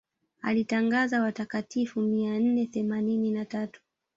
alitangaza watakatifu mia nne themanini na tatu